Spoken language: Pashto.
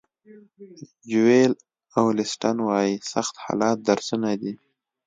جویل اولیسټن وایي سخت حالات درسونه دي.